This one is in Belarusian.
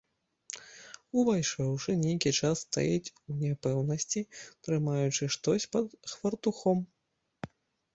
Увайшоўшы, нейкі час стаіць у няпэўнасці, трымаючы штось пад хвартухом.